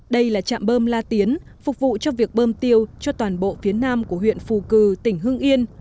đây là trạm bơm la tiến phục vụ cho việc bơm tiêu cho toàn bộ phía nam của huyện phù cử tỉnh hưng yên